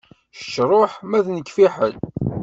Kečč ṛuḥ ma d nekk fiḥel.